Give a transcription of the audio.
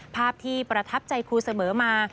ภาพที่ประทับใจครูเสมอมา